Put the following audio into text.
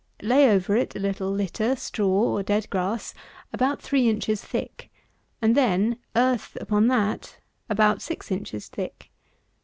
Lay over it a little litter, straw, or dead grass, about three inches thick, and then earth upon that about six inches thick.